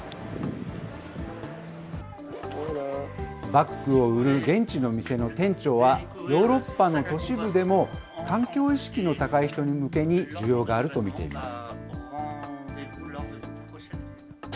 バッグを売る現地の店の店長は、ヨーロッパの都市部でも、環境意識の高い人向けに需要があると見ています。